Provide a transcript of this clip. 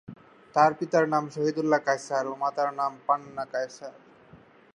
তার পিতার নাম শহীদুল্লাহ কায়সার ও মাতার নাম পান্না কায়সার।